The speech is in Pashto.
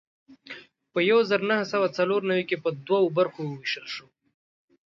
په یو زر نهه سوه څلور نوي کې په دوو برخو وېشل شو.